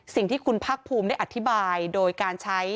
สิ่งที่คุณภาคภูมิได้อธิบายโดยการใช้